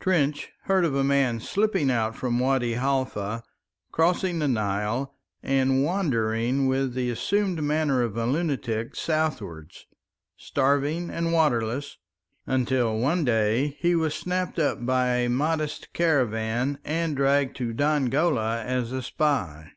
Trench heard of a man slipping out from Wadi Halfa, crossing the Nile and wandering with the assumed manner of a lunatic southwards, starving and waterless, until one day he was snapped up by a Mahdist caravan and dragged to Dongola as a spy.